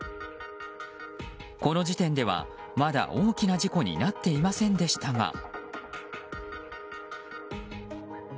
この時点では、まだ大きな事故になっていませんでしたが。